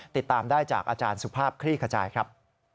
ติดตามได้จากอาจารย์สุภาพคลี่ขจายครับ